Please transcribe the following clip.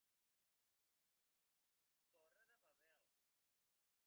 Torre de Babel.